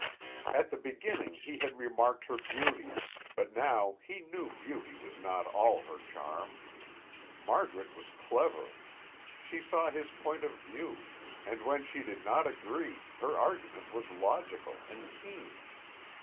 At the beginning he had remarked her beauty, but now he knew beauty was not all her charm. Margaret was clever; she saw his point of view, and when she did not agree her argument was logical and keen.